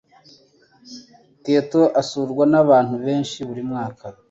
Kyoto asurwa nabantu benshi buri mwaka.